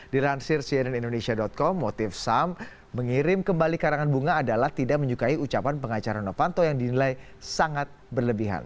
dilansir cnn indonesia com motif sam mengirim kembali karangan bunga adalah tidak menyukai ucapan pengacara novanto yang dinilai sangat berlebihan